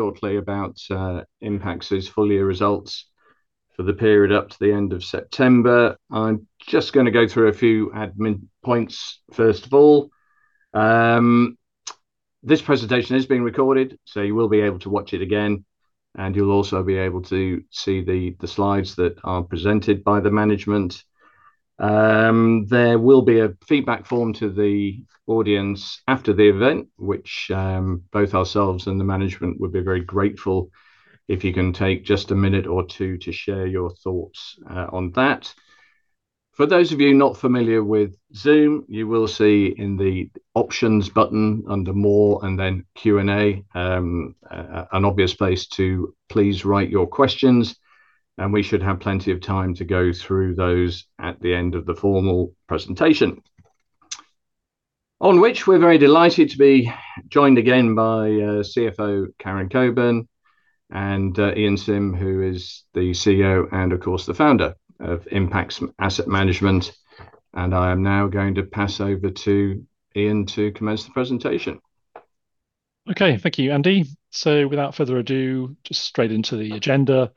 Shortly about Impax's full-year results for the period up to the end of September. I'm just going to go through a few admin points. First of all, this presentation is being recorded, so you will be able to watch it again, and you'll also be able to see the slides that are presented by the management. There will be a feedback form to the audience after the event, which both ourselves and the management would be very grateful if you can take just a minute or two to share your thoughts on that. For those of you not familiar with Zoom, you will see in the options button under More, and then Q&A, an obvious place to please write your questions, and we should have plenty of time to go through those at the end of the formal presentation. On which we're very delighted to be joined again by CFO Karen Cockburn and Ian Simm, who is the CEO and, of course, the founder of Impax Asset Management. And I am now going to pass over to Ian to commence the presentation. Okay, thank you, Andy. So without further ado, just straight into the agenda.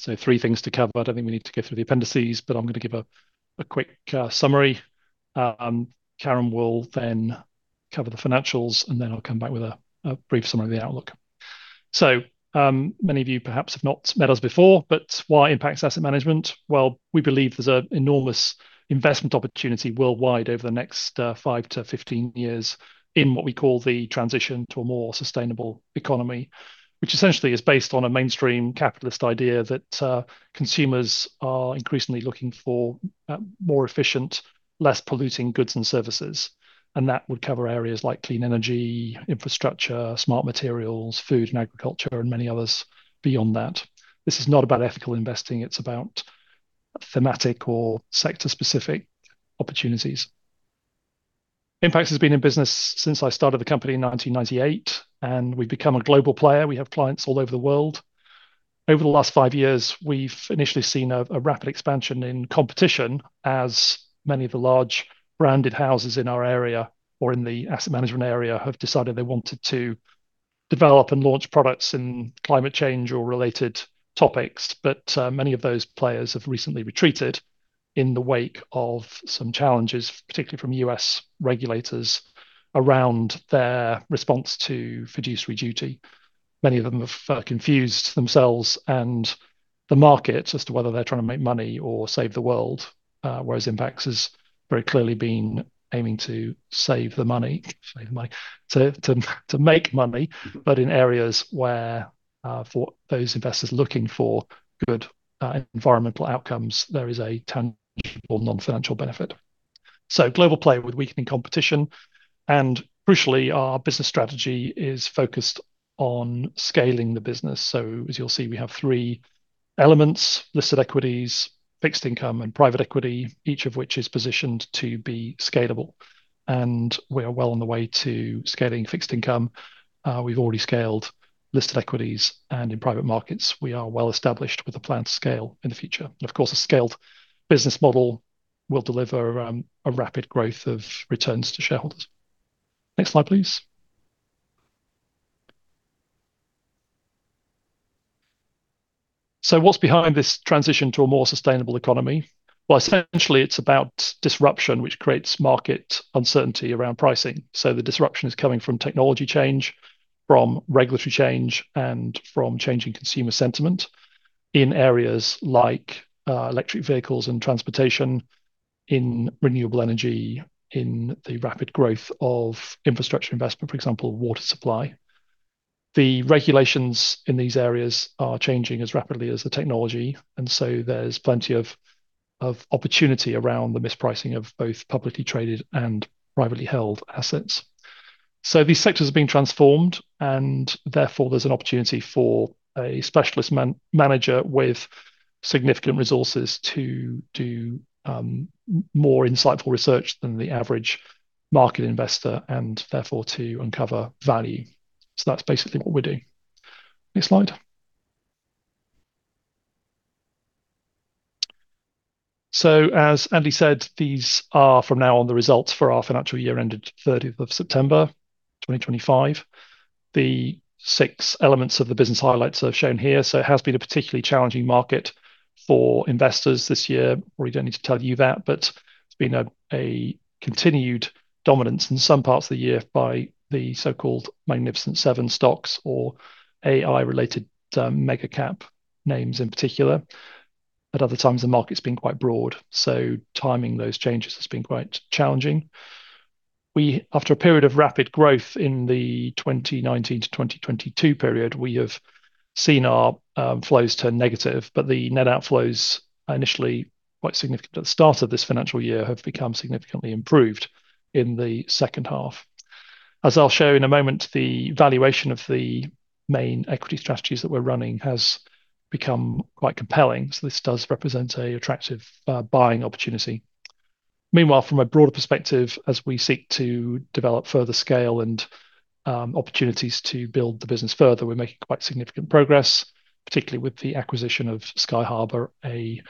So three things to cover. I don't think we need to go through the appendices, but I'm going to give a quick summary. Karen will then cover the financials, and then I'll come back with a brief summary of the outlook. So many of you perhaps have not met us before, but why Impax Asset Management? Well, we believe there's an enormous investment opportunity worldwide over the next five to 15 years in what we call the transition to a more sustainable economy, which essentially is based on a mainstream capitalist idea that consumers are increasingly looking for more efficient, less polluting goods and services. And that would cover areas like clean energy, infrastructure, smart materials, food and agriculture, and many others beyond that. This is not about ethical investing. It's about thematic or sector-specific opportunities. Impax has been in business since I started the company in 1998, and we've become a global player. We have clients all over the world. Over the last five years, we've initially seen a rapid expansion in competition as many of the large branded houses in our area or in the asset management area have decided they wanted to develop and launch products in climate change or related topics, but many of those players have recently retreated in the wake of some challenges, particularly from U.S. regulators around their response to fiduciary duty. Many of them have confused themselves and the market as to whether they're trying to make money or save the world, whereas Impax has very clearly been aiming to save the money, to make money, but in areas where for those investors looking for good environmental outcomes, there is a tangible non-financial benefit. Global play with weakening competition. Crucially, our business strategy is focused on scaling the business. As you'll see, we have three elements: listed equities, fixed income, and private equity, each of which is positioned to be scalable. We are well on the way to scaling fixed income. We've already scaled listed equities and in private markets. We are well established with a plan to scale in the future. Of course, a scaled business model will deliver a rapid growth of returns to shareholders. Next slide, please. What's behind this transition to a more sustainable economy? Essentially, it's about disruption, which creates market uncertainty around pricing. The disruption is coming from technology change, from regulatory change, and from changing consumer sentiment in areas like electric vehicles and transportation, in renewable energy, in the rapid growth of infrastructure investment, for example, water supply. The regulations in these areas are changing as rapidly as the technology, and so there's plenty of opportunity around the mispricing of both publicly traded and privately held assets. So these sectors are being transformed, and therefore there's an opportunity for a specialist manager with significant resources to do more insightful research than the average market investor and therefore to uncover value, so that's basically what we're doing. Next slide, so as Andy said, these are from now on the results for our financial year ended 30th of September 2025. The six elements of the business highlights are shown here, so it has been a particularly challenging market for investors this year. We don't need to tell you that, but it's been a continued dominance in some parts of the year by the so-called Magnificent Seven stocks or AI-related mega-cap names in particular. At other times, the market's been quite broad. So timing those changes has been quite challenging. After a period of rapid growth in the 2019 to 2022 period, we have seen our flows turn negative, but the net outflows, initially quite significant at the start of this financial year, have become significantly improved in the second half. As I'll show in a moment, the valuation of the main equity strategies that we're running has become quite compelling. So this does represent an attractive buying opportunity. Meanwhile, from a broader perspective, as we seek to develop further scale and opportunities to build the business further, we're making quite significant progress, particularly with the acquisition of Sky Harbor, a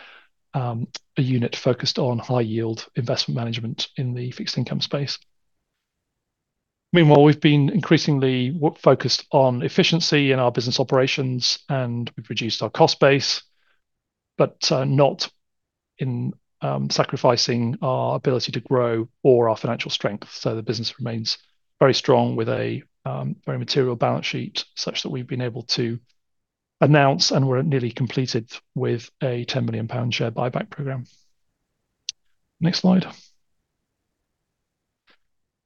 unit focused on high-yield investment management in the fixed income space. Meanwhile, we've been increasingly focused on efficiency in our business operations, and we've reduced our cost base, but not in sacrificing our ability to grow or our financial strength. So the business remains very strong with a very material balance sheet such that we've been able to announce, and we're nearly completed with a 10 million pound share buyback program. Next slide.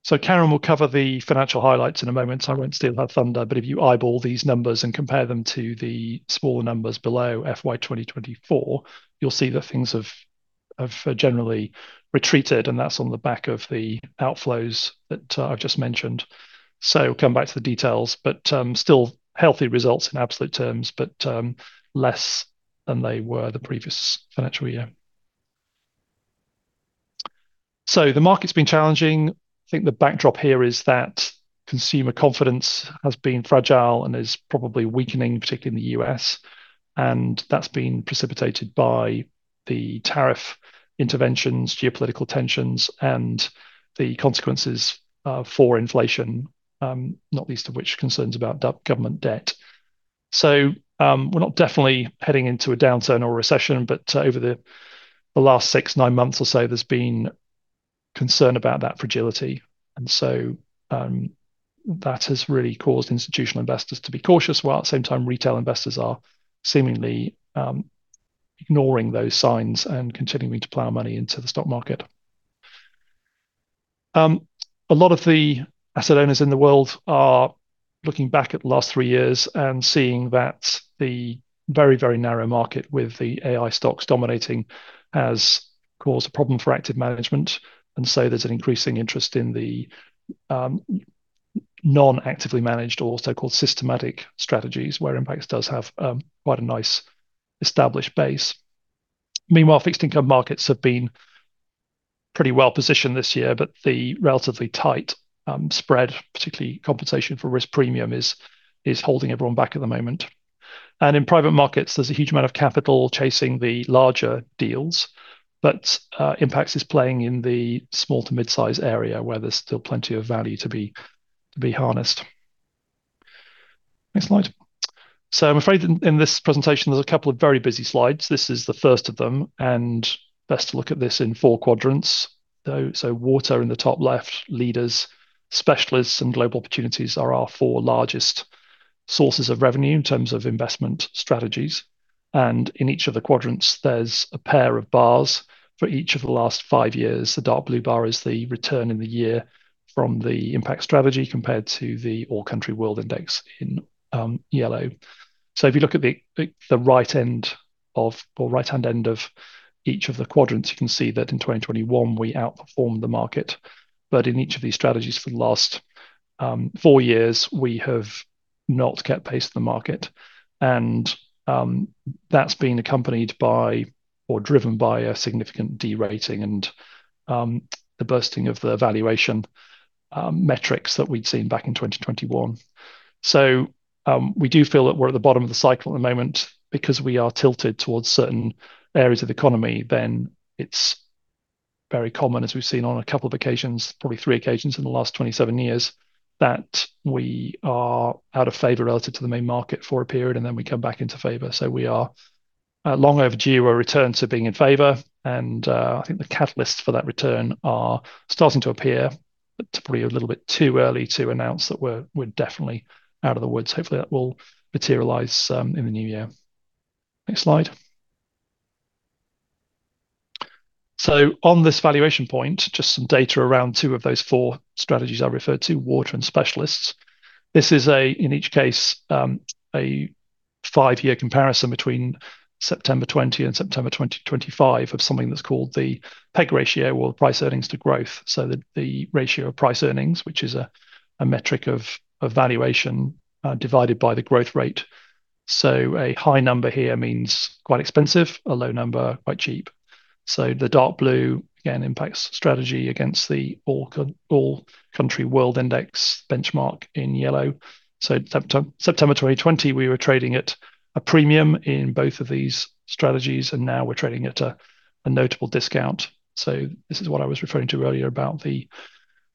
So Karen will cover the financial highlights in a moment. I won't steal her thunder, but if you eyeball these numbers and compare them to the smaller numbers below FY 2024, you'll see that things have generally retreated, and that's on the back of the outflows that I've just mentioned. So come back to the details, but still healthy results in absolute terms, but less than they were the previous financial year. So the market's been challenging. I think the backdrop here is that consumer confidence has been fragile and is probably weakening, particularly in the U.S. And that's been precipitated by the tariff interventions, geopolitical tensions, and the consequences for inflation, not least of which concerns about government debt. So we're not definitely heading into a downturn or a recession, but over the last six, nine months or so, there's been concern about that fragility. And so that has really caused institutional investors to be cautious, while at the same time, retail investors are seemingly ignoring those signs and continuing to plow money into the stock market. A lot of the asset owners in the world are looking back at the last three years and seeing that the very, very narrow market with the AI stocks dominating has caused a problem for active management. There's an increasing interest in the non-actively managed or so-called systematic strategies, where Impax does have quite a nice established base. Meanwhile, fixed income markets have been pretty well positioned this year, but the relatively tight spread, particularly compensation for risk premium, is holding everyone back at the moment. In private markets, there's a huge amount of capital chasing the larger deals, but Impax is playing in the small to mid-size area where there's still plenty of value to be harnessed. Next slide. I'm afraid in this presentation, there's a couple of very busy slides. This is the first of them, and best to look at this in four quadrants. Water in the top left, leaders, specialists, and global opportunities are our four largest sources of revenue in terms of investment strategies. And in each of the quadrants, there's a pair of bars for each of the last five years. The dark blue bar is the return in the year from the Impax strategy compared to the All Country World Index in yellow. So if you look at the right end of or right-hand end of each of the quadrants, you can see that in 2021, we outperformed the market. But in each of these strategies for the last four years, we have not kept pace with the market. And that's been accompanied by or driven by a significant derating and the bursting of the valuation metrics that we'd seen back in 2021. So we do feel that we're at the bottom of the cycle at the moment because we are tilted towards certain areas of the economy. Then it's very common, as we've seen on a couple of occasions, probably three occasions in the last 27 years, that we are out of favor relative to the main market for a period, and then we come back into favor. So we are long overdue our returns are being in favor. And I think the catalysts for that return are starting to appear, but probably a little bit too early to announce that we're definitely out of the woods. Hopefully, that will materialize in the new year. Next slide. So on this valuation point, just some data around two of those four strategies I referred to, water and specialists. This is, in each case, a five-year comparison between September 2020 and September 2025 of something that's called the PEG ratio or price earnings to growth. The ratio of price earnings, which is a metric of valuation divided by the growth rate. A high number here means quite expensive, a low number quite cheap. The dark blue, again, Impax strategy against the MSCI All Country World Index benchmark in yellow. September 2020, we were trading at a premium in both of these strategies, and now we're trading at a notable discount. This is what I was referring to earlier about the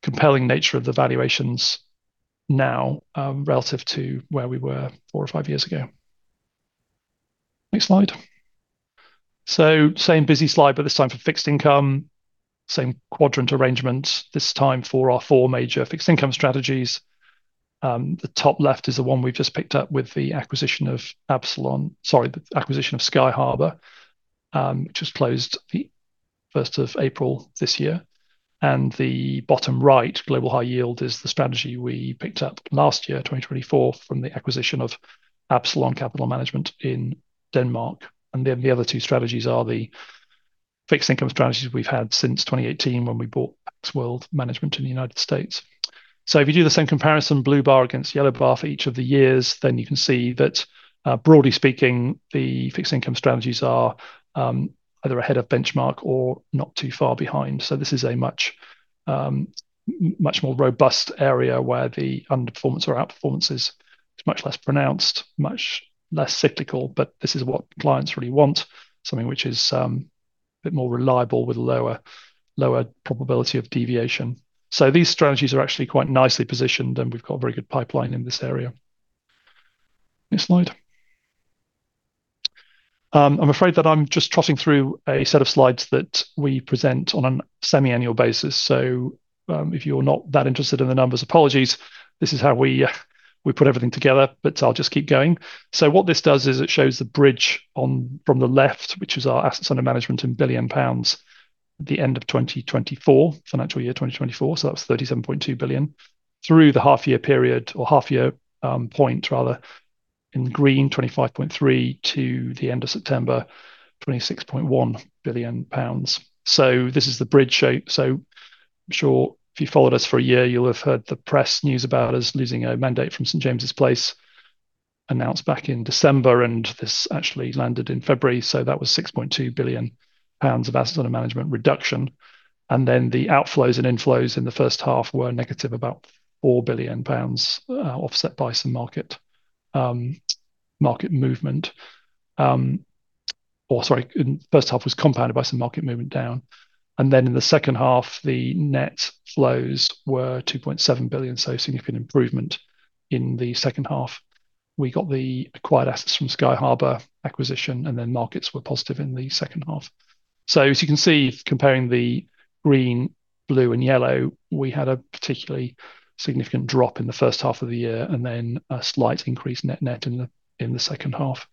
compelling nature of the valuations now relative to where we were four or five years ago. Next slide. Same busy slide, but this time for fixed income, same quadrant arrangements, this time for our four major fixed income strategies. The top left is the one we've just picked up with the acquisition of Absalon, sorry, the acquisition of SKY Harbor, which was closed the 1st of April this year. The bottom right, global high yield, is the strategy we picked up last year, 2024, from the acquisition of Absalon Capital Management in Denmark. Then the other two strategies are the fixed income strategies we've had since 2018 when we bought Pax World Management in the United States. If you do the same comparison, blue bar against yellow bar for each of the years, then you can see that, broadly speaking, the fixed income strategies are either ahead of benchmark or not too far behind. This is a much more robust area where the underperformance or outperformance is much less pronounced, much less cyclical, but this is what clients really want, something which is a bit more reliable with a lower probability of deviation. These strategies are actually quite nicely positioned, and we've got a very good pipeline in this area. Next slide. I'm afraid that I'm just trotting through a set of slides that we present on a semi-annual basis. So if you're not that interested in the numbers, apologies. This is how we put everything together, but I'll just keep going. So what this does is it shows the bridge from the left, which is our assets under management in billion pounds at the end of 2024, financial year 2024. So that's 37.2 billion through the half-year period or half-year point, rather, in green, 25.3 to the end of September, 26.1 billion pounds. So this is the bridge shape. So I'm sure if you followed us for a year, you'll have heard the press news about us losing a mandate from St. James's Place announced back in December, and this actually landed in February. So that was 6.2 billion pounds of assets under management reduction. Then the outflows and inflows in the first half were negative about 4 billion pounds offset by some market movement. Or sorry, first half was compounded by some market movement down. Then in the second half, the net flows were 2.7 billion, so a significant improvement in the second half. We got the acquired assets from Sky Harbor acquisition, and then markets were positive in the second half. So as you can see, comparing the green, blue, and yellow, we had a particularly significant drop in the first half of the year and then a slight increase net net in the second half.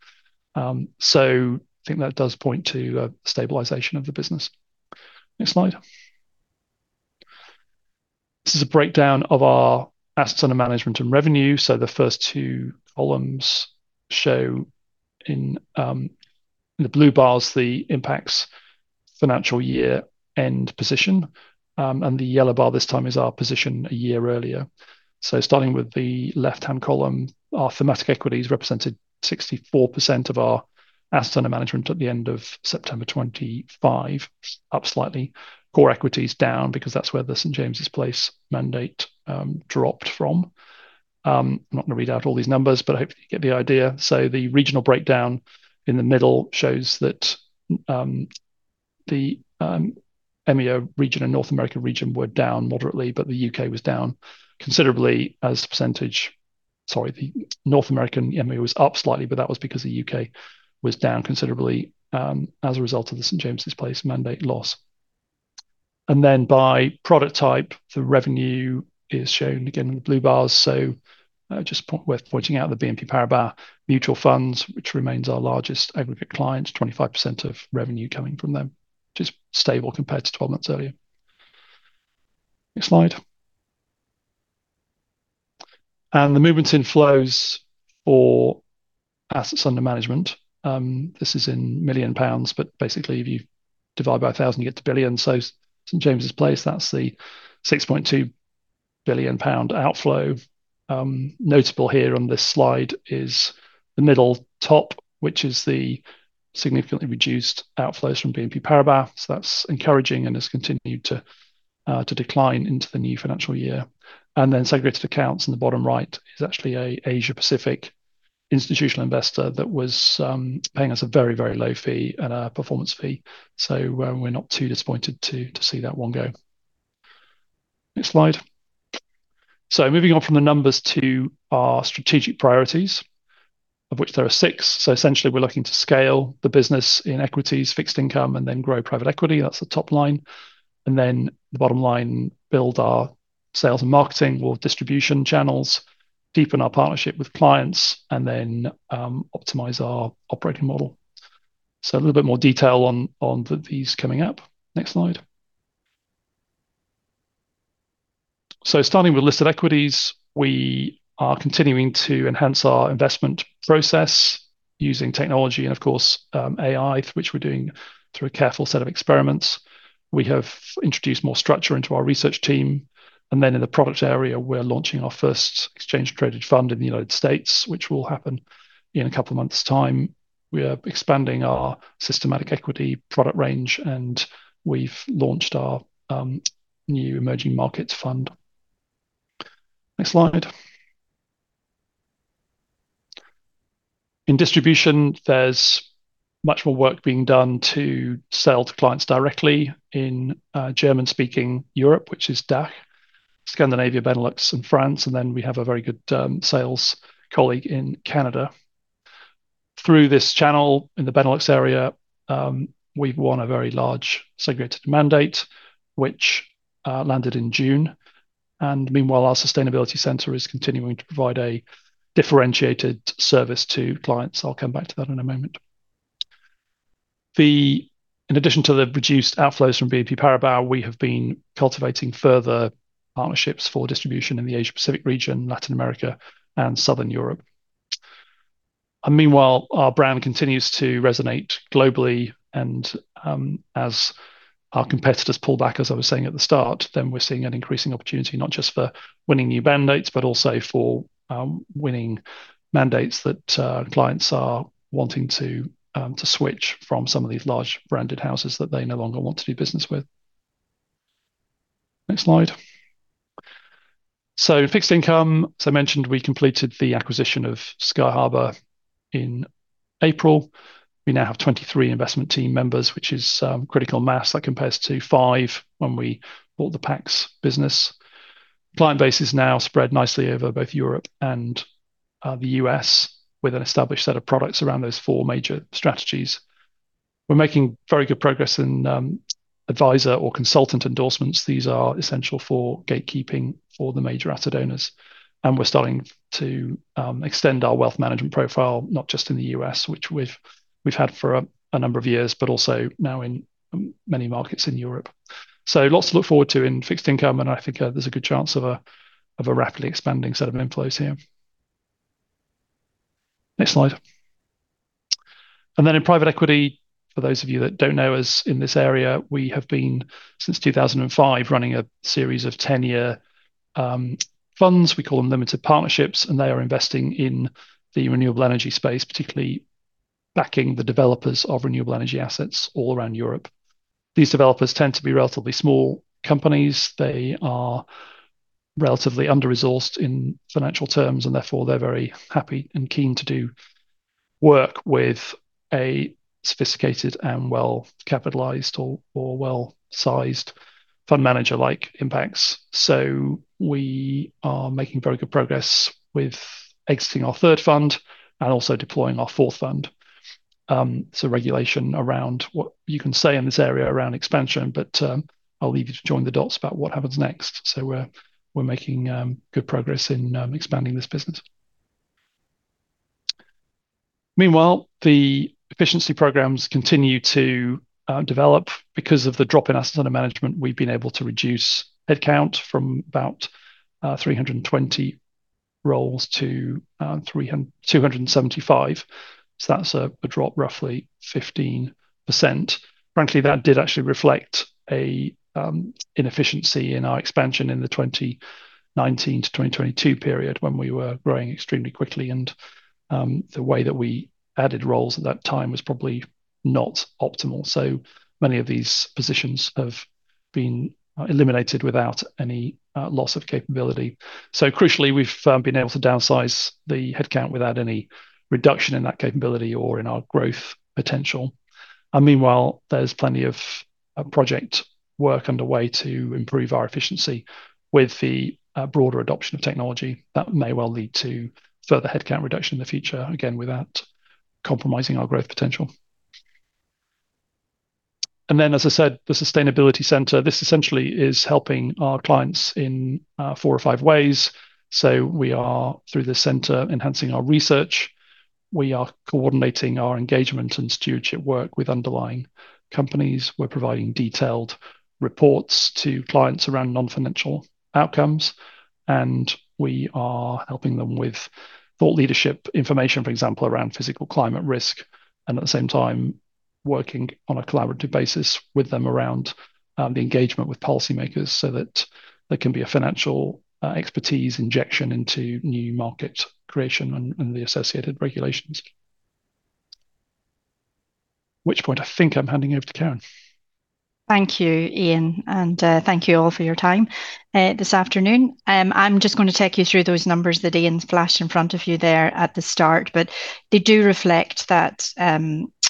So I think that does point to a stabilization of the business. Next slide. This is a breakdown of our assets under management and revenue. So the first two columns show in the blue bars the Impax financial year end position. The yellow bar this time is our position a year earlier. Starting with the left-hand column, our thematic equities represented 64% of our assets under management at the end of September 2025, up slightly. Core equities down because that's where the St. James's Place mandate dropped from. I'm not going to read out all these numbers, but I hope you get the idea. The regional breakdown in the middle shows that the EMEA region and North American region were down moderately, but the U.K. was down considerably as a percentage. Sorry, the North American EMEA was up slightly, but that was because the U.K. was down considerably as a result of the St. James's Place mandate loss. Then by product type, the revenue is shown again in the blue bars. Just worth pointing out the BNP Paribas Mutual Funds, which remains our largest aggregate client, 25% of revenue coming from them, which is stable compared to 12 months earlier. Next slide. The movements in flows for assets under management. This is in millions pounds, but basically, if you divide by 1,000, you get to billion. So St. James's Place, that's the 6.2 billion pound outflow. Notable here on this slide is the middle top, which is the significantly reduced outflows from BNP Paribas. So that's encouraging, and it's continued to decline into the new financial year. Then segregated accounts in the bottom right is actually an Asia-Pacific institutional investor that was paying us a very, very low fee and a performance fee. So we're not too disappointed to see that one go. Next slide. So moving on from the numbers to our strategic priorities, of which there are six. So essentially, we're looking to scale the business in equities, fixed income, and then grow private equity. That's the top line. And then the bottom line, build our sales and marketing, more distribution channels, deepen our partnership with clients, and then optimize our operating model. So a little bit more detail on these coming up. Next slide. So starting with listed equities, we are continuing to enhance our investment process using technology and, of course, AI, which we're doing through a careful set of experiments. We have introduced more structure into our research team. And then in the product area, we're launching our first exchange-traded fund in the United States, which will happen in a couple of months' time. We are expanding our systematic equity product range, and we've launched our new emerging markets fund. Next slide. In distribution, there's much more work being done to sell to clients directly in German-speaking Europe, which is DACH, Scandinavia, Benelux, and France. And then we have a very good sales colleague in Canada. Through this channel in the Benelux area, we've won a very large segregated mandate, which landed in June. And meanwhile, our sustainability center is continuing to provide a differentiated service to clients. I'll come back to that in a moment. In addition to the reduced outflows from BNP Paribas, we have been cultivating further partnerships for distribution in the Asia-Pacific region, Latin America, and southern Europe. And meanwhile, our brand continues to resonate globally. And as our competitors pull back, as I was saying at the start, then we're seeing an increasing opportunity not just for winning new mandates, but also for winning mandates that clients are wanting to switch from some of these large branded houses that they no longer want to do business with. Next slide. So fixed income, as I mentioned, we completed the acquisition of SKY Harbor in April. We now have 23 investment team members, which is critical mass that compares to five when we bought the PAX business. Client base is now spread nicely over both Europe and the U.S. with an established set of products around those four major strategies. We're making very good progress in advisor or consultant endorsements. These are essential for gatekeeping for the major asset owners. And we're starting to extend our wealth management profile, not just in the U.S., which we've had for a number of years, but also now in many markets in Europe. So lots to look forward to in fixed income, and I think there's a good chance of a rapidly expanding set of inflows here. Next slide. And then in private equity, for those of you that don't know us in this area, we have been since 2005 running a series of 10-year funds. We call them limited partnerships, and they are investing in the renewable energy space, particularly backing the developers of renewable energy assets all around Europe. These developers tend to be relatively small companies. They are relatively under-resourced in financial terms, and therefore, they're very happy and keen to do work with a sophisticated and well-capitalized or well-sized fund manager like Impax. We are making very good progress with exiting our third fund and also deploying our fourth fund. Regulation around what you can say in this area around expansion, but I'll leave you to join the dots about what happens next. We're making good progress in expanding this business. Meanwhile, the efficiency programs continue to develop. Because of the drop in assets under management, we've been able to reduce headcount from about 320 roles to 275. That's a drop of roughly 15%. Frankly, that did actually reflect an inefficiency in our expansion in the 2019-2022 period when we were growing extremely quickly. The way that we added roles at that time was probably not optimal. Many of these positions have been eliminated without any loss of capability. Crucially, we've been able to downsize the headcount without any reduction in that capability or in our growth potential. Meanwhile, there's plenty of project work underway to improve our efficiency with the broader adoption of technology. That may well lead to further headcount reduction in the future, again, without compromising our growth potential. Then, as I said, the sustainability center, this essentially is helping our clients in four or five ways. We are, through this center, enhancing our research. We are coordinating our engagement and stewardship work with underlying companies. We're providing detailed reports to clients around non-financial outcomes. We are helping them with thought leadership information, for example, around physical climate risk. And at the same time, working on a collaborative basis with them around the engagement with policymakers so that there can be a financial expertise injection into new market creation and the associated regulations. At which point I think I'm handing over to Karen. Thank you, Ian, and thank you all for your time this afternoon. I'm just going to take you through those numbers that Ian's flashed in front of you there at the start, but they do reflect that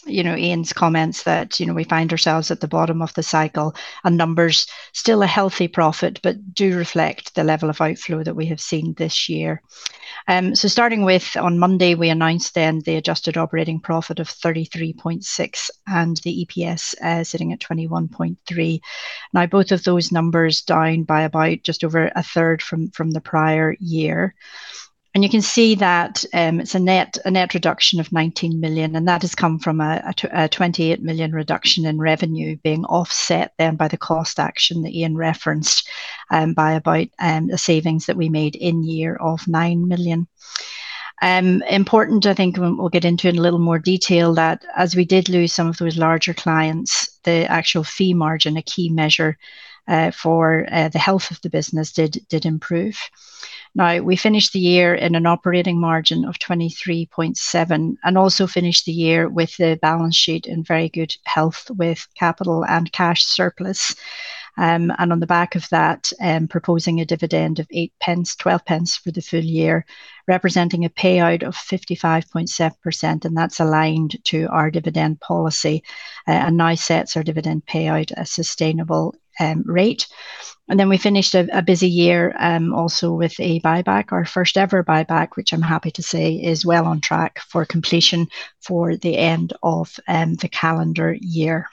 Ian's comments that we find ourselves at the bottom of the cycle, and numbers still a healthy profit, but do reflect the level of outflow that we have seen this year. So starting with, on Monday, we announced then the adjusted operating profit of 33.6 and the EPS sitting at 21.3. Now, both of those numbers down by about just over a third from the prior year. You can see that it's a net reduction of 19 million, and that has come from a 28 million reduction in revenue being offset then by the cost action that Ian referenced by about the savings that we made in the year of 9 million. It's important, I think we'll get into it in a little more detail that as we did lose some of those larger clients, the actual fee margin, a key measure for the health of the business, did improve. Now, we finished the year in an operating margin of 23.7% and also finished the year with the balance sheet in very good health with capital and cash surplus. On the back of that, proposing a dividend of 8 pence, 12 pence for the full year, representing a payout of 55.7%. That's aligned to our dividend policy and now sets our dividend payout at a sustainable rate. Then we finished a busy year also with a buyback, our first-ever buyback, which I'm happy to say is well on track for completion for the end of the calendar year.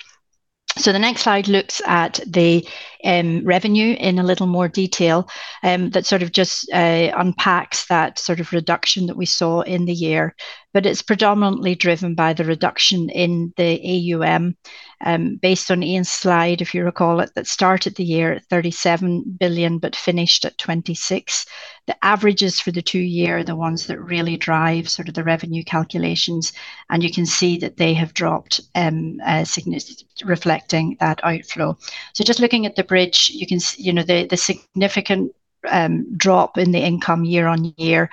The next slide looks at the revenue in a little more detail that sort of just unpacks that sort of reduction that we saw in the year. It's predominantly driven by the reduction in the AUM based on Ian's slide, if you recall it, that started the year at 37 billion but finished at 26. The averages for the two-year are the ones that really drive sort of the revenue calculations. You can see that they have dropped significantly, reflecting that outflow. Just looking at the bridge, you can see the significant drop in the income year on year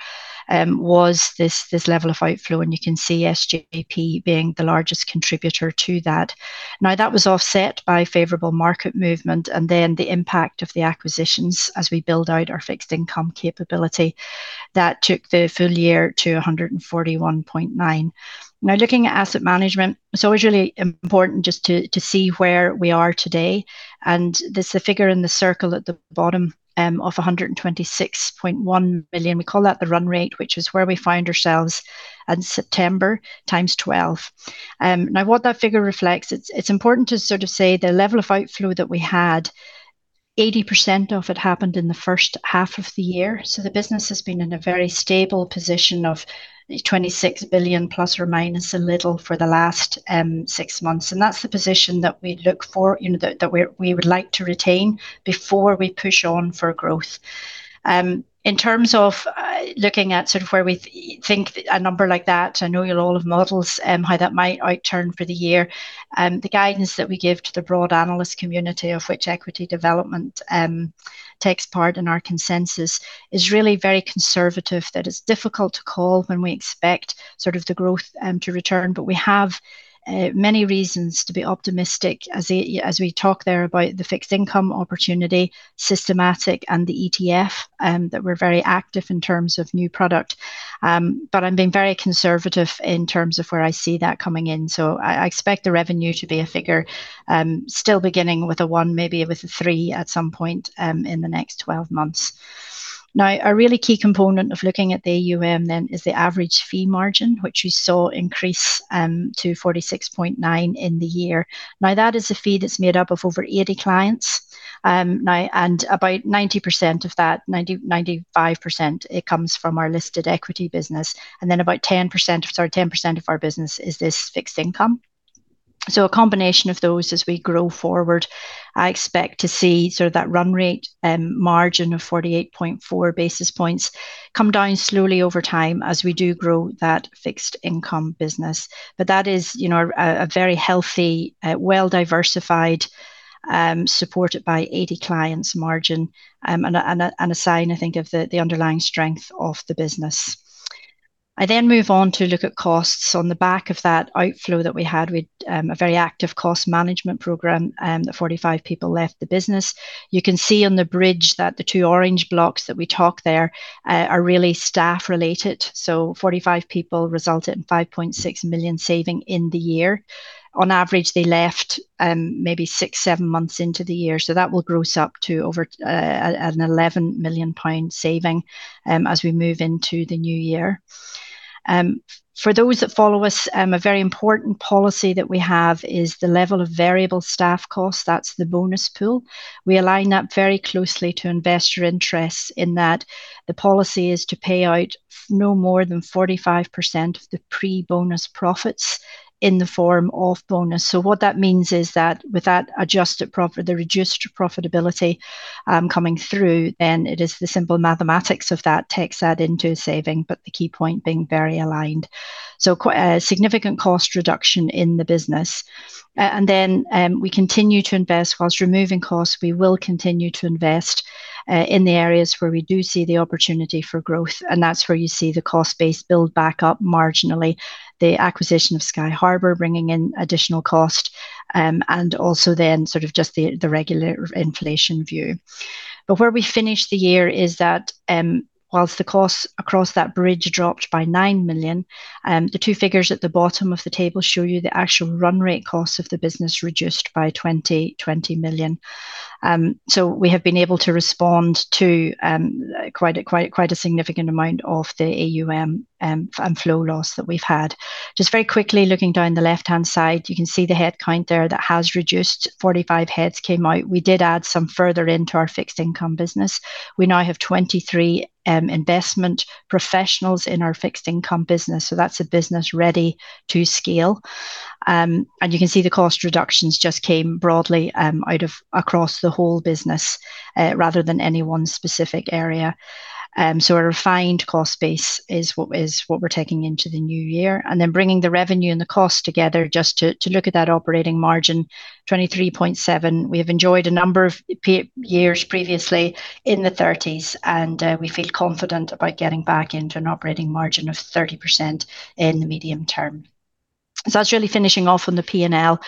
was this level of outflow. And you can see SJP being the largest contributor to that. Now, that was offset by favorable market movement and then the impact of the acquisitions as we build out our fixed income capability. That took the full year to 141.9. Now, looking at asset management, it's always really important just to see where we are today. And there's the figure in the circle at the bottom of 126.1 million. We call that the run rate, which is where we found ourselves in September 12x. Now, what that figure reflects, it's important to sort of say the level of outflow that we had, 80% of it happened in the first half of the year. So the business has been in a very stable position of ±26 billion a little for the last six months. That's the position that we look for, that we would like to retain before we push on for growth. In terms of looking at sort of where we think a number like that, I know you'll all have models how that might outturn for the year. The guidance that we give to the broad analyst community, of which Equity Development takes part in our consensus, is really very conservative. That it's difficult to call when we expect sort of the growth to return. But we have many reasons to be optimistic as we talk there about the fixed income opportunity, systematic, and the ETF that we're very active in terms of new product. But I'm being very conservative in terms of where I see that coming in. I expect the revenue to be a figure still beginning with a one, maybe with a three at some point in the next 12 months. Now, a really key component of looking at the AUM then is the average fee margin, which we saw increase to 46.9 in the year. Now, that is a fee that's made up of over 80 clients. And about 90% of that, 95%, it comes from our listed equity business. And then about 10%, sorry, 10% of our business is this fixed income. A combination of those as we grow forward, I expect to see sort of that run rate margin of 48.4 basis points come down slowly over time as we do grow that fixed income business. But that is a very healthy, well-diversified, supported by 80 clients margin and a sign, I think, of the underlying strength of the business. I then move on to look at costs. On the back of that outflow that we had, we had a very active cost management program that 45 people left the business. You can see on the bridge that the two orange blocks that we talk there are really staff-related. So 45 people resulted in 5.6 million saving in the year. On average, they left maybe six, seven months into the year. So that will gross up to over an 11 million pound saving as we move into the new year. For those that follow us, a very important policy that we have is the level of variable staff costs. That's the bonus pool. We align that very closely to investor interests in that the policy is to pay out no more than 45% of the pre-bonus profits in the form of bonus. What that means is that with that adjusted profit, the reduced profitability coming through, then it is the simple mathematics of that tax add into saving, but the key point being very aligned. So significant cost reduction in the business. And then we continue to invest. Whilst removing costs, we will continue to invest in the areas where we do see the opportunity for growth. And that's where you see the cost-based build backup marginally, the acquisition of SKY Harbor bringing in additional cost, and also then sort of just the regular inflation view. But where we finish the year is that whilst the costs across that bridge dropped by 9 million, the two figures at the bottom of the table show you the actual run rate costs of the business reduced by 20 million. So we have been able to respond to quite a significant amount of the AUM and flow loss that we've had. Just very quickly looking down the left-hand side, you can see the headcount there that has reduced. 45 heads came out. We did add some further into our fixed income business. We now have 23 investment professionals in our fixed income business. So that's a business ready to scale. And you can see the cost reductions just came broadly out across the whole business rather than any one specific area. So a refined cost base is what we're taking into the new year. And then bringing the revenue and the cost together just to look at that operating margin, 23.7, we have enjoyed a number of years previously in the 30s, and we feel confident about getting back into an operating margin of 30% in the medium term. That's really finishing off on the P&L.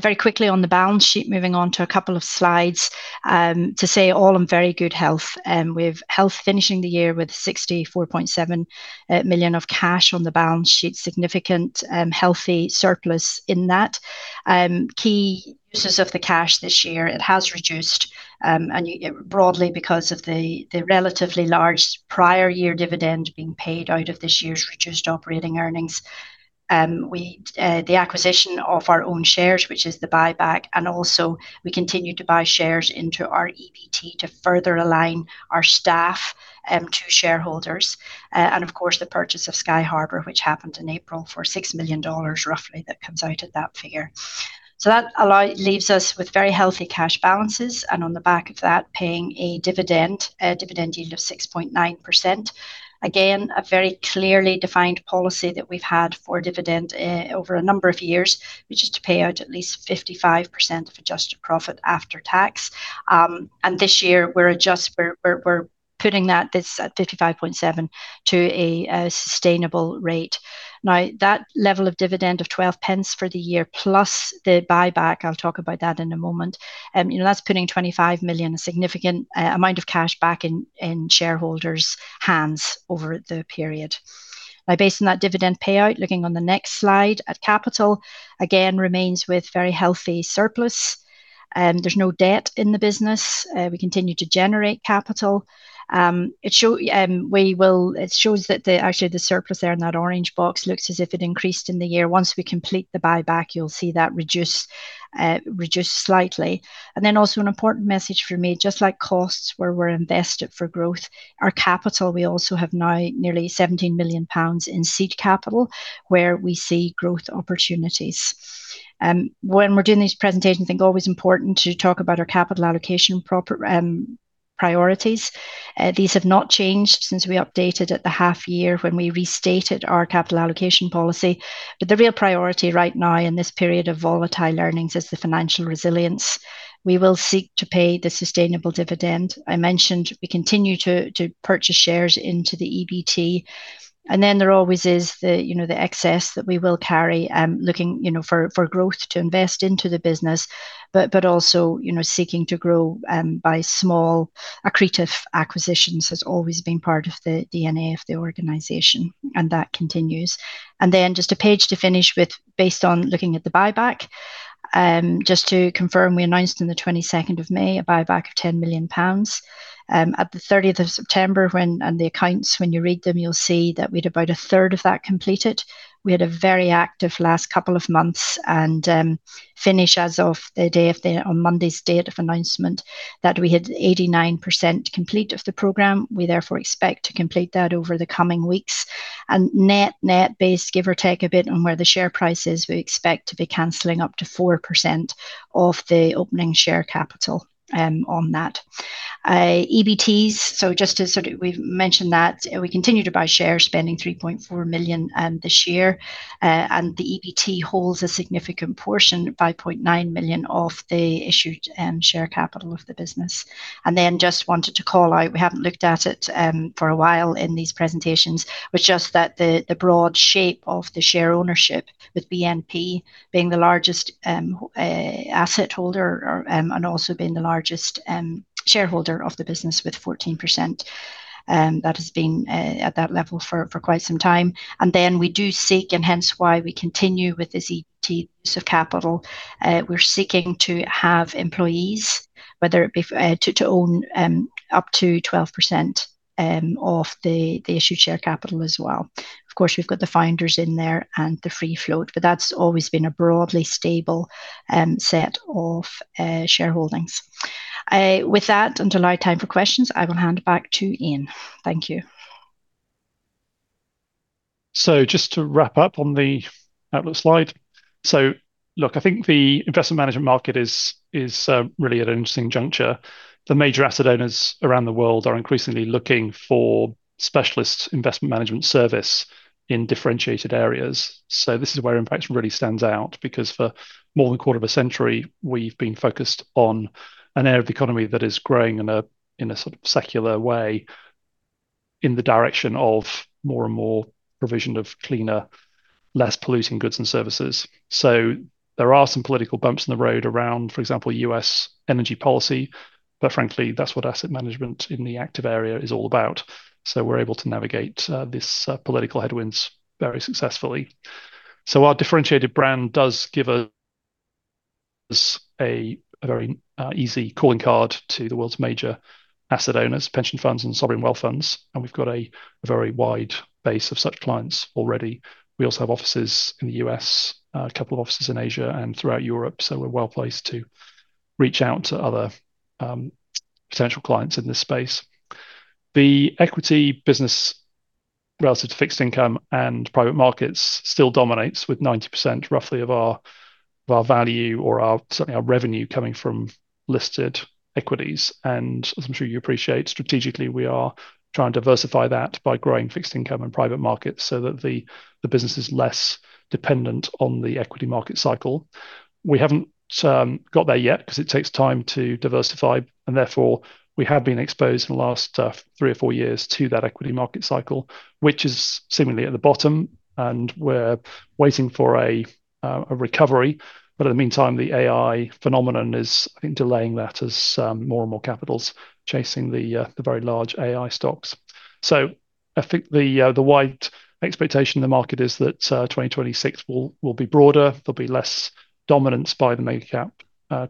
Very quickly on the balance sheet, moving on to a couple of slides to say all in very good health. We finished the year in good health with 64.7 million of cash on the balance sheet, significant healthy surplus in that. Key uses of the cash this year, it has reduced broadly because of the relatively large prior year dividend being paid out of this year's reduced operating earnings. The acquisition of our own shares, which is the buyback, and also we continue to buy shares into our EBT to further align our staff to shareholders. Of course, the purchase of SKY Harbor, which happened in April for roughly $6 million that comes out of that figure. That leaves us with very healthy cash balances. On the back of that, paying a dividend yield of 6.9%. Again, a very clearly defined policy that we've had for dividend over a number of years, which is to pay out at least 55% of adjusted profit after tax, and this year, we're putting that at 55.7% to a sustainable rate. Now, that level of dividend of 12 pence for the year plus the buyback, I'll talk about that in a moment. That's putting 25 million, a significant amount of cash back in shareholders' hands over the period. Now, based on that dividend payout, looking on the next slide at capital, again, remains with very healthy surplus. There's no debt in the business. We continue to generate capital. It shows that actually the surplus there in that orange box looks as if it increased in the year. Once we complete the buyback, you'll see that reduce slightly. And then also an important message for me, just like costs where we're invested for growth, our capital. We also have now nearly 17 million pounds in seed capital where we see growth opportunities. When we're doing these presentations, I think always important to talk about our capital allocation priorities. These have not changed since we updated at the half year when we restated our capital allocation policy. But the real priority right now in this period of volatile earnings is the financial resilience. We will seek to pay the sustainable dividend. I mentioned we continue to purchase shares into the EBT. And then there always is the excess that we will carry looking for growth to invest into the business, but also seeking to grow by small accretive acquisitions has always been part of the DNA of the organization. And that continues. Then just a page to finish with based on looking at the buyback, just to confirm, we announced on the 22nd of May a buyback of 10 million pounds. At the 30th of September, and the accounts, when you read them, you'll see that we had about a third of that completed. We had a very active last couple of months and finish as of the day of Monday's date of announcement that we had 89% complete of the program. We therefore expect to complete that over the coming weeks. And net-based, give or take a bit on where the share price is, we expect to be canceling up to 4% of the opening share capital on that. EBTs, so just to sort of we've mentioned that we continue to buy shares, spending 3.4 million this year. The EBT holds a significant portion, 5.9 million of the issued share capital of the business. Then just wanted to call out, we haven't looked at it for a while in these presentations, was just that the broad shape of the share ownership with BNP being the largest asset holder and also being the largest shareholder of the business with 14%. That has been at that level for quite some time. We do seek, and hence why we continue with this EBT use of capital. We're seeking to have employees, whether it be to own up to 12% of the issued share capital as well. Of course, we've got the founders in there and the free float, but that's always been a broadly stable set of shareholdings. With that, until I have time for questions, I will hand it back to Ian. Thank you. Just to wrap up on the outlook slide. Look, I think the investment management market is really at an interesting juncture. The major asset owners around the world are increasingly looking for specialist investment management service in differentiated areas. This is where Impax really stands out because for more than a quarter of a century, we've been focused on an area of the economy that is growing in a sort of secular way in the direction of more and more provision of cleaner, less polluting goods and services. There are some political bumps in the road around, for example, U.S. energy policy, but frankly, that's what asset management in the active area is all about. We're able to navigate this political headwinds very successfully. Our differentiated brand does give us a very easy calling card to the world's major asset owners, pension funds and sovereign wealth funds. And we've got a very wide base of such clients already. We also have offices in the U.S., a couple of offices in Asia and throughout Europe. So we're well placed to reach out to other potential clients in this space. The equity business relative to fixed income and private markets still dominates with 90% roughly of our value or certainly our revenue coming from listed equities. And as I'm sure you appreciate, strategically, we are trying to diversify that by growing fixed income and private markets so that the business is less dependent on the equity market cycle. We haven't got there yet because it takes time to diversify. Therefore, we have been exposed in the last three or four years to that equity market cycle, which is seemingly at the bottom. We're waiting for a recovery. In the meantime, the AI phenomenon is delaying that as more and more capital is chasing the very large AI stocks. The widespread expectation in the market is that 2026 will be broader. There'll be less dominance by the mega-cap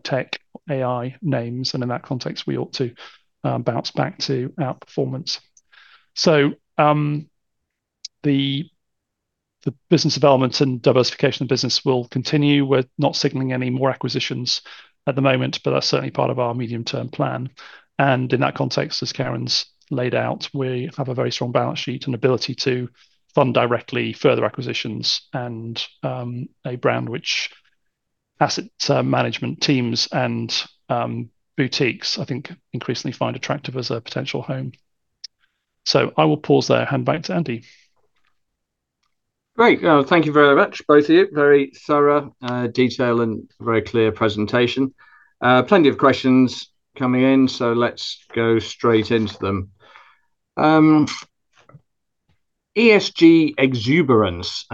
tech AI names. In that context, we ought to bounce back to outperformance. The business development and diversification of the business will continue. We're not signaling any more acquisitions at the moment, but that's certainly part of our medium-term plan. In that context, as Karen's laid out, we have a very strong balance sheet and ability to fund directly further acquisitions and a brand which asset management teams and boutiques, I think, increasingly find attractive as a potential home. So I will pause there. Hand back to Andy. Great. Thank you very much, both of you. Very thorough, detailed, and very clear presentation. Plenty of questions coming in, so let's go straight into them. ESG exuberance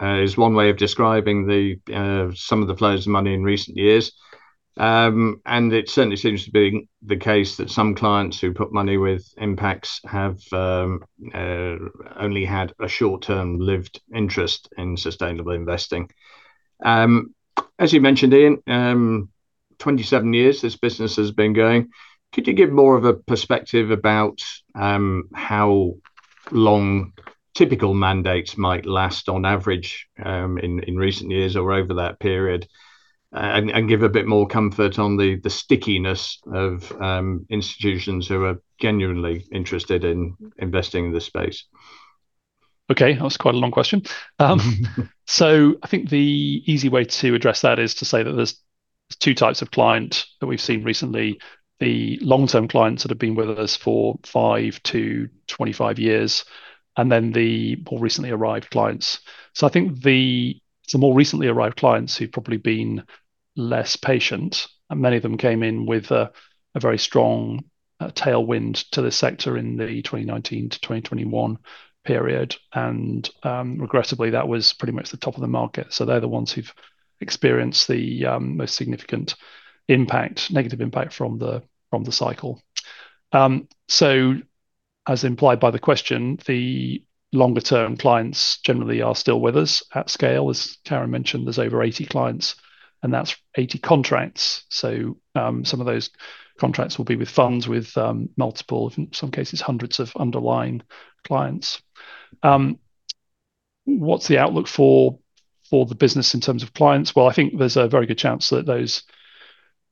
is one way of describing some of the flows of money in recent years. It certainly seems to be the case that some clients who put money with Impax have only had a short-lived interest in sustainable investing. As you mentioned, Ian, 27 years this business has been going. Could you give more of a perspective about how long typical mandates might last on average in recent years or over that period? And give a bit more comfort on the stickiness of institutions who are genuinely interested in investing in this space. Okay. That was quite a long question, so I think the easy way to address that is to say that there's two types of clients that we've seen recently. The long-term clients that have been with us for five to 25 years, and then the more recently arrived clients. So I think the more recently arrived clients who've probably been less patient, and many of them came in with a very strong tailwind to the sector in the 2019-2021 period, and regressively, that was pretty much the top of the market. They’re the ones who’ve experienced the most significant impact, negative impact from the cycle. As implied by the question, the longer-term clients generally are still with us at scale. As Karen mentioned, there’s over 80 clients, and that’s 80 contracts. Some of those contracts will be with funds with multiple, in some cases, hundreds of underlying clients. What’s the outlook for the business in terms of clients? I think there’s a very good chance that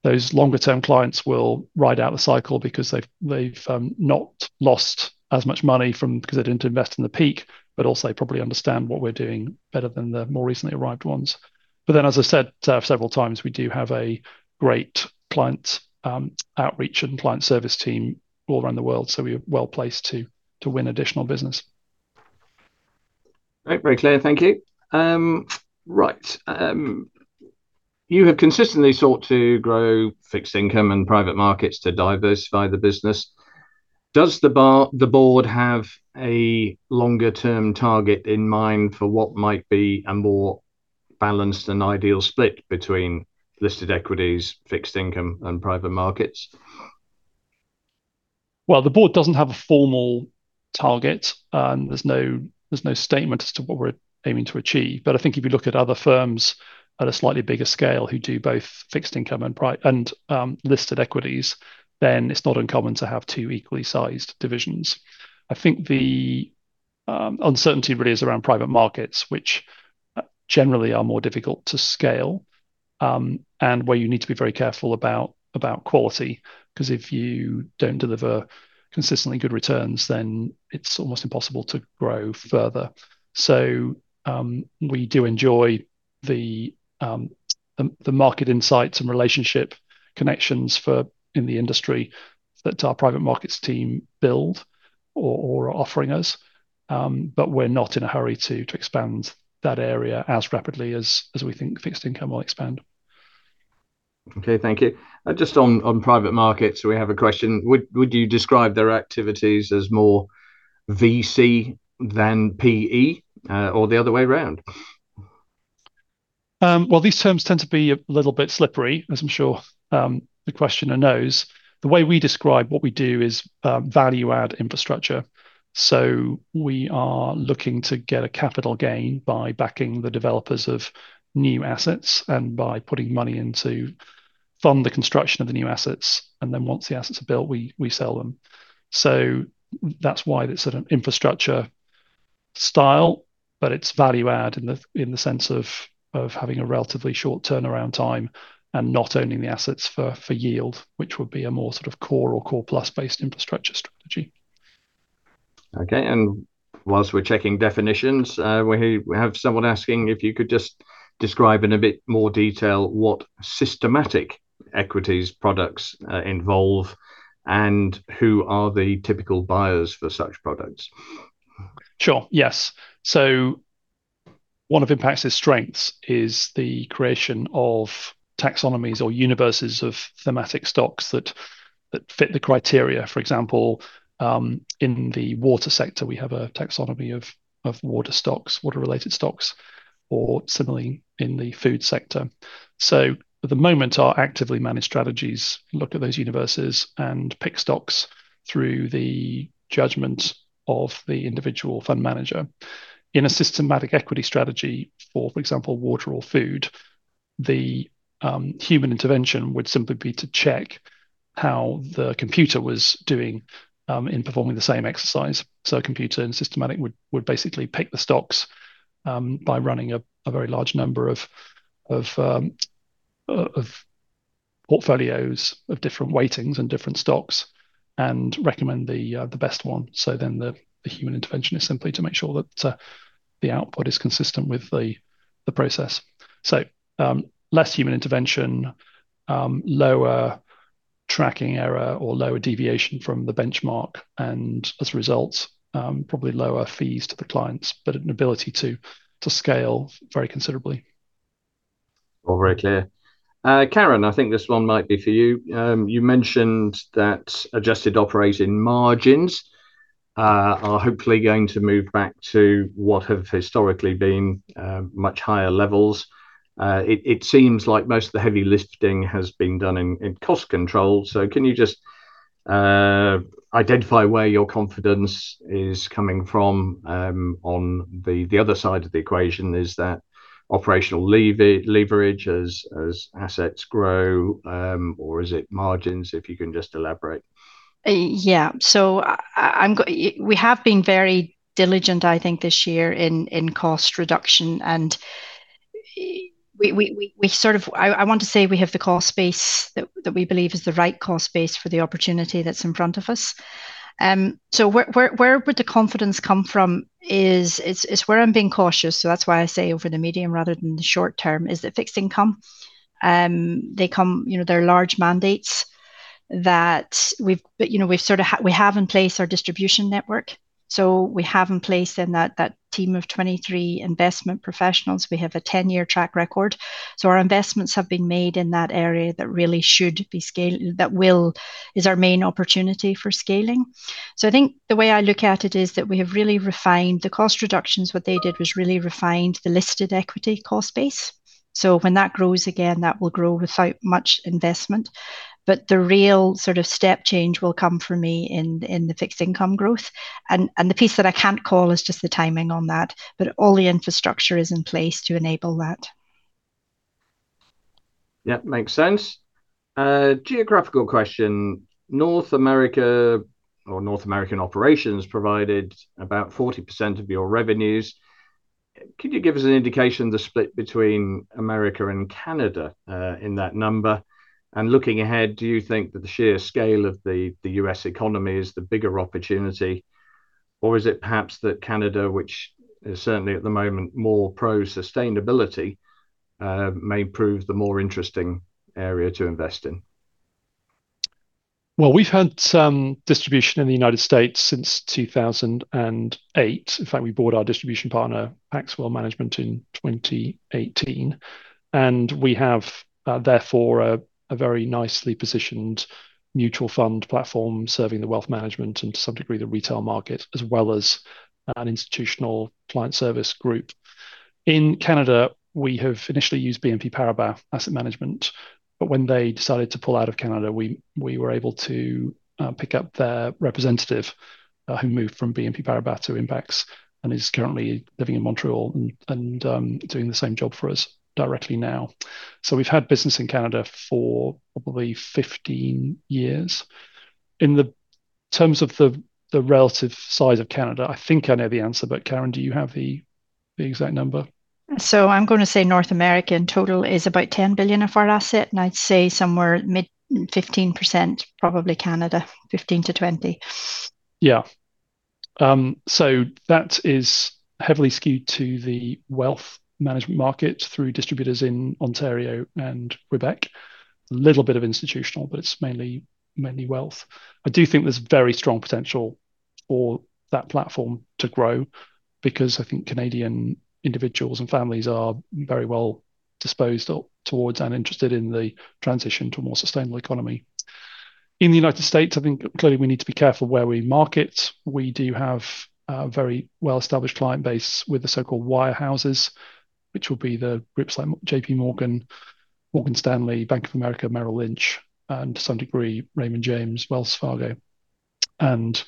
those longer-term clients will ride out the cycle because they’ve not lost as much money because they didn’t invest in the peak, but also probably understand what we’re doing better than the more recently arrived ones. Then, as I said several times, we do have a great client outreach and client service team all around the world, so we are well placed to win additional business. Very clear. Thank you. Right. You have consistently sought to grow fixed income and private markets to diversify the business. Does the board have a longer-term target in mind for what might be a more balanced and ideal split between listed equities, fixed income, and private markets? Well, the board doesn't have a formal target. There's no statement as to what we're aiming to achieve. But I think if you look at other firms at a slightly bigger scale who do both fixed income and listed equities, then it's not uncommon to have two equally sized divisions. I think the uncertainty really is around private markets, which generally are more difficult to scale and where you need to be very careful about quality because if you don't deliver consistently good returns, then it's almost impossible to grow further. So we do enjoy the market insights and relationship connections in the industry that our private markets team build or are offering us. But we're not in a hurry to expand that area as rapidly as we think fixed income will expand. Okay. Thank you. Just on private markets, we have a question. Would you describe their activities as more VC than PE or the other way around? Well, these terms tend to be a little bit slippery, as I'm sure the questioner knows. The way we describe what we do is value-add infrastructure. So we are looking to get a capital gain by backing the developers of new assets and by putting money into fund the construction of the new assets. And then once the assets are built, we sell them. That's why it's sort of infrastructure style, but it's value-add in the sense of having a relatively short turnaround time and not owning the assets for yield, which would be a more sort of core or core-plus-based infrastructure strategy. Okay. And while we're checking definitions, we have someone asking if you could just describe in a bit more detail what systematic equities products involve and who are the typical buyers for such products. Sure. Yes. So one of Impax's strengths is the creation of taxonomies or universes of thematic stocks that fit the criteria. For example, in the water sector, we have a taxonomy of water stocks, water-related stocks, or similarly in the food sector. So at the moment, our actively managed strategies look at those universes and pick stocks through the judgment of the individual fund manager. In a systematic equity strategy for example, water or food, the human intervention would simply be to check how the computer was doing in performing the same exercise. So a computer and systematic would basically pick the stocks by running a very large number of portfolios of different weightings and different stocks and recommend the best one. So then the human intervention is simply to make sure that the output is consistent with the process. So less human intervention, lower tracking error, or lower deviation from the benchmark, and as a result, probably lower fees to the clients, but an ability to scale very considerably. All very clear. Karen, I think this one might be for you. You mentioned that adjusted operating margins are hopefully going to move back to what have historically been much higher levels. It seems like most of the heavy lifting has been done in cost control. So can you just identify where your confidence is coming from on the other side of the equation? Is that operational leverage as assets grow, or is it margins? If you can just elaborate. Yeah. So we have been very diligent, I think, this year in cost reduction. And I want to say we have the cost base that we believe is the right cost base for the opportunity that's in front of us. So where would the confidence come from is where I'm being cautious. So that's why I say over the medium rather than the short term is the fixed income. They're large mandates that we have in place, our distribution network. So we have in place, in that team of 23 investment professionals. We have a 10-year track record. Our investments have been made in that area that really should be scaled. That is our main opportunity for scaling. I think the way I look at it is that we have really refined the cost reductions. What they did was really refined the listed equity cost base. So when that grows again, that will grow without much investment. But the real sort of step change will come for me in the fixed income growth. And the piece that I can't call is just the timing on that, but all the infrastructure is in place to enable that. Yeah. Makes sense. Geographical question. North American operations provided about 40% of your revenues. Could you give us an indication of the split between America and Canada in that number? Looking ahead, do you think that the sheer scale of the U.S. economy is the bigger opportunity? Or is it perhaps that Canada, which is certainly at the moment more pro-sustainability, may prove the more interesting area to invest in? We've had distribution in the United States since 2008. In fact, we bought our distribution partner, Pax World Management, in 2018. And we have therefore a very nicely positioned mutual fund platform serving the wealth management and to some degree the retail market as well as an institutional client service group. In Canada, we have initially used BNP Paribas Asset Management. But when they decided to pull out of Canada, we were able to pick up their representative who moved from BNP Paribas to Impax and is currently living in Montreal and doing the same job for us directly now. We've had business in Canada for probably 15 years. In terms of the relative size of Canada, I think I know the answer, but Karen, do you have the exact number? I'm going to say North America in total is about 10 billion of our asset. I'd say somewhere mid-15%, probably Canada, 15%-20%. Yeah. That is heavily skewed to the wealth management market through distributors in Ontario and Quebec. A little bit of institutional, but it's mainly wealth. I do think there's very strong potential for that platform to grow because I think Canadian individuals and families are very well disposed towards and interested in the transition to a more sustainable economy. In the United States, I think clearly we need to be careful where we market. We do have a very well-established client base with the so-called wirehouses, which would be the groups like JPMorgan, Morgan Stanley, Bank of America, Merrill Lynch, and to some degree, Raymond James, Wells Fargo. And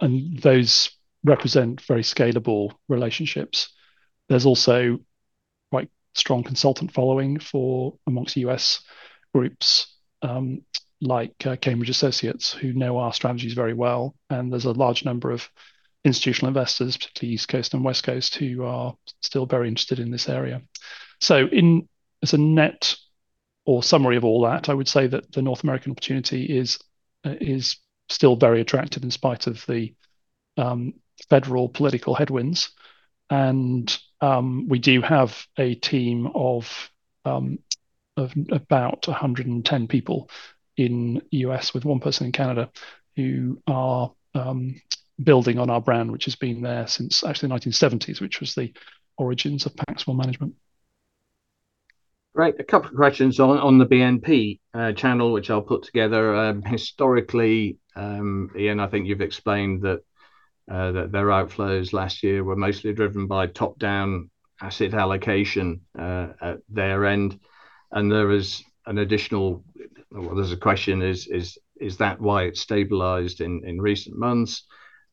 those represent very scalable relationships. There's also quite strong consultant following among U.S. groups like Cambridge Associates who know our strategies very well. And there's a large number of institutional investors, particularly East Coast and West Coast, who are still very interested in this area. So as a net or summary of all that, I would say that the North American opportunity is still very attractive in spite of the federal political headwinds. And we do have a team of about 110 people in the U.S., with one person in Canada, who are building on our brand, which has been there since actually the 1970s, which was the origins of Pax World Management. Great. A couple of questions on the BNP channel, which I'll put together. Historically, Ian, I think you've explained that their outflows last year were mostly driven by top-down asset allocation at their end, and there is an additional. Well, there's a question: is that why it stabilized in recent months,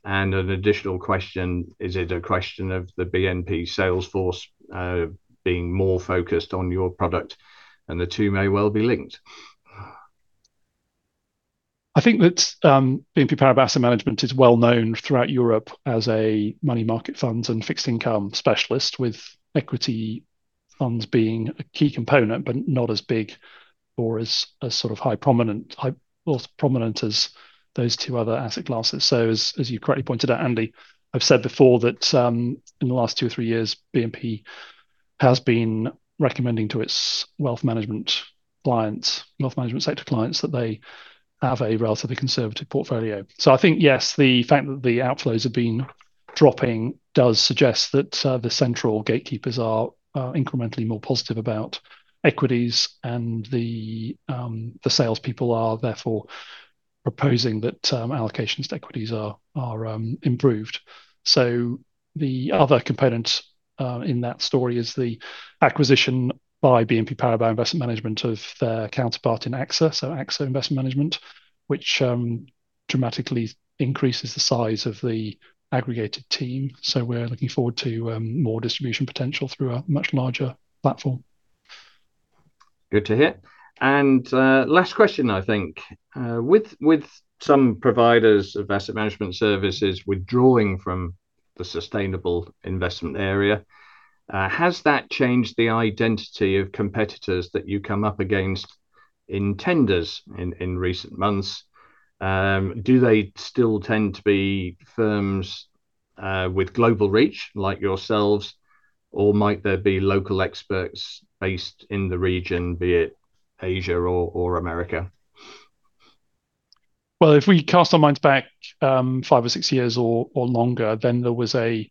and an additional question: is it a question of the BNP Salesforce being more focused on your product, and the two may well be linked. I think that BNP Paribas Asset Management is well known throughout Europe as a money market funds and fixed income specialist, with equity funds being a key component, but not as big or as sort of high prominence as those two other asset classes. So as you correctly pointed out, Andy, I've said before that in the last two or three years, BNP has been recommending to its wealth management clients, wealth management sector clients, that they have a relatively conservative portfolio. So I think, yes, the fact that the outflows have been dropping does suggest that the central gatekeepers are incrementally more positive about equities, and the salespeople are therefore proposing that allocations to equities are improved. So the other component in that story is the acquisition by BNP Paribas Investment Management of their counterpart in AXA, so AXA Investment Management, which dramatically increases the size of the aggregated team. So we're looking forward to more distribution potential through a much larger platform. Good to hear. And last question, I think. With some providers of asset management services withdrawing from the sustainable investment area, has that changed the identity of competitors that you come up against in tenders in recent months? Do they still tend to be firms with global reach like yourselves, or might there be local experts based in the region, be it Asia or America? If we cast our minds back five or six years or longer, then there was a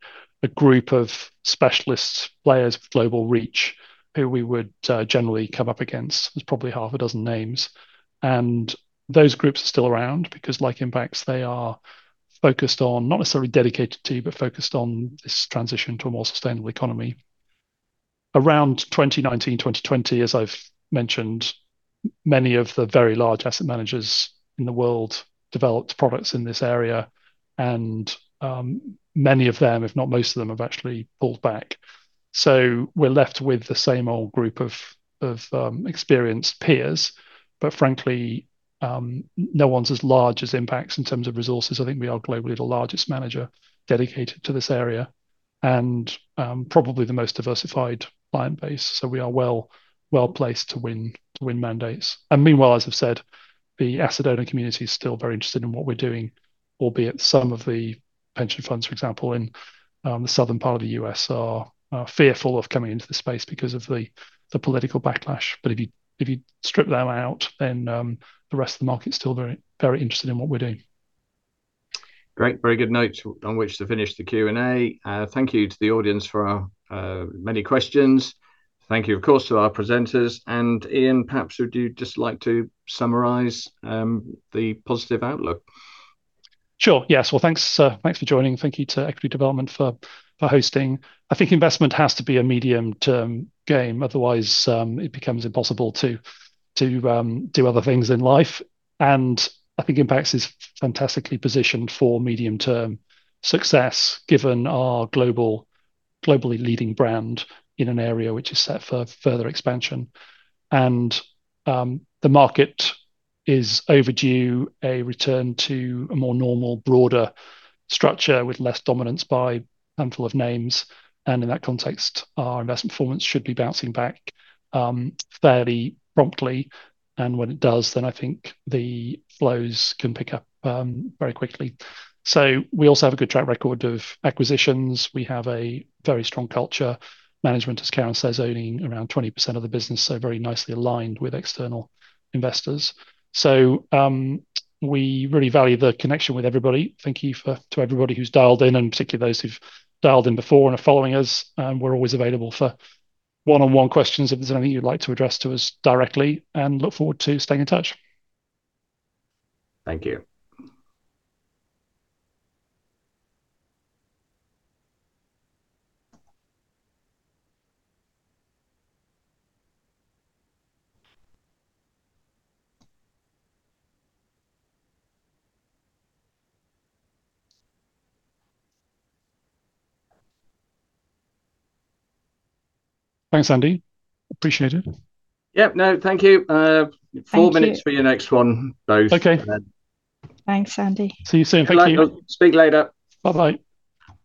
group of specialist players with global reach who we would generally come up against. It was probably half a dozen names. And those groups are still around because, like Impax, they are focused on, not necessarily dedicated to, but focused on this transition to a more sustainable economy. Around 2019, 2020, as I've mentioned, many of the very large asset managers in the world developed products in this area, and many of them, if not most of them, have actually pulled back. So we're left with the same old group of experienced peers. But frankly, no one's as large as Impax in terms of resources. I think we are globally the largest manager dedicated to this area and probably the most diversified client base. So we are well placed to win mandates. And meanwhile, as I've said, the asset owner community is still very interested in what we're doing, albeit some of the pension funds, for example, in the southern part of the U.S. are fearful of coming into the space because of the political backlash. But if you strip them out, then the rest of the market's still very interested in what we're doing. Great. Very good notes on which to finish the Q&A. Thank you to the audience for our many questions. Thank you, of course, to our presenters. And Ian, perhaps would you just like to summarize the positive outlook? Sure. Yes, well, thanks for joining. Thank you to Equity Development for hosting. I think investment has to be a medium-term game. Otherwise, it becomes impossible to do other things in life. And I think Impax is fantastically positioned for medium-term success, given our globally leading brand in an area which is set for further expansion. And the market is overdue a return to a more normal, broader structure with less dominance by a handful of names. And in that context, our investment performance should be bouncing back fairly promptly. And when it does, then I think the flows can pick up very quickly. We also have a good track record of acquisitions. We have a very strong culture. Management, as Karen says, owning around 20% of the business, so very nicely aligned with external investors. We really value the connection with everybody. Thank you to everybody who's dialed in, and particularly those who've dialed in before and are following us. We're always available for one-on-one questions if there's anything you'd like to address to us directly. Look forward to staying in touch. Thank you. Thanks, Andy. Appreciate it. Yep. No, thank you. Four minutes for your next one, both. Okay. Thanks, Andy. See you soon. Thank you. Speak later. Bye-bye.